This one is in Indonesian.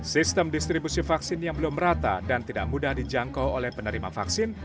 sistem distribusi vaksin yang belum rata dan tidak mudah dijangkau oleh penerima vaksin